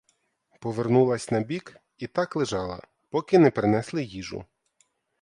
Повернулась на бік і так лежала, поки не принесли їжу.